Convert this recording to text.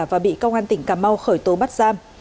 và bị công an tỉnh cà mau khởi tố bắt giam